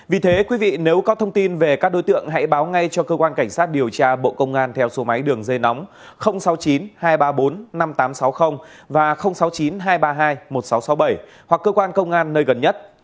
vì thế quý vị nếu có thông tin về các đối tượng hãy báo ngay cho cơ quan cảnh sát điều tra bộ công an theo số máy đường dây nóng sáu mươi chín hai trăm ba mươi bốn năm nghìn tám trăm sáu mươi và sáu mươi chín hai trăm ba mươi hai một nghìn sáu trăm sáu mươi bảy hoặc cơ quan công an nơi gần nhất